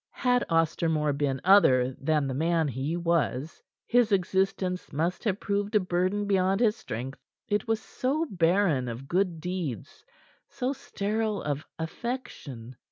Had Ostermore been other than the man he was, his existence must have proved a burden beyond his strength. It was so barren of good deeds, so sterile of affection.